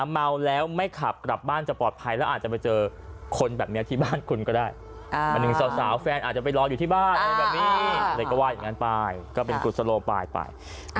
เมาแล้วไม่ขับกลับบ้านจะเปล่าปลอดภัย